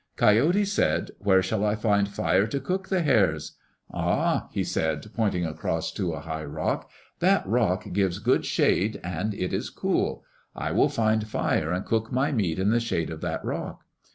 Coyote said, "Where shall I find fire to cook the hares? Ah," he said, pointing across to a high rock, "that rock gives good shade and it is cool. I will find fire and cook my meat in the shade of that rock."